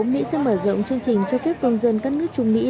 mỹ sẽ mở rộng chương trình cho phép công dân các nước trung mỹ